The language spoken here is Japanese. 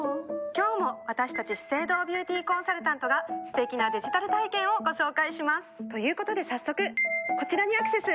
今日も私たち資生堂ビューティーコンサルタントがすてきなデジタル体験をご紹介します。ということで早速こちらにアクセス！